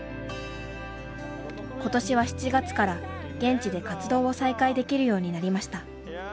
ことしは７月から現地で活動を再開できるようになりました。